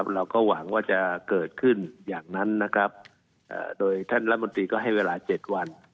เราก็หวังว่าจะเกิดขึ้นอย่างนั้นนะครับโดยท่านรัฐมนตรีก็ให้เวลา๗วัน